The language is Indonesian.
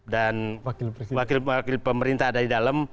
dan wakil pemerintah ada di dalam